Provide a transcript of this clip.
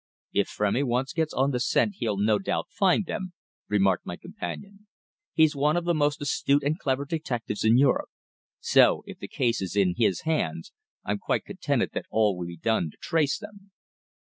"If Frémy once gets on the scent he'll, no doubt, find them," remarked my companion. "He's one of the most astute and clever detectives in Europe. So, if the case is in his hands, I'm quite contented that all will be done to trace them."